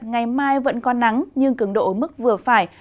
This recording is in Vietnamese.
ngày mai vẫn có nắng nhưng cứng độ mức vừa phải